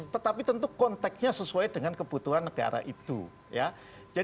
tetapi tentu konteknya sesuai dengan kebutuhan negara itu